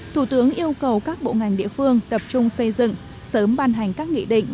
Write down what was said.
thủ tướng yêu cầu các bộ ngành địa phương tập trung xây dựng sớm ban hành các nghị định